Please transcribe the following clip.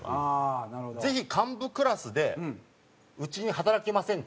「ぜひ幹部クラスでうちに働きませんか？」